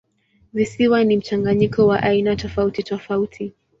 Visiwa ni mchanganyiko wa aina tofautitofauti.